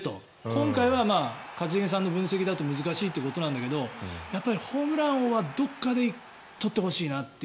今回は一茂さんの分析だと難しいということなんだけどやっぱりホームランはどこかで取ってほしいなと。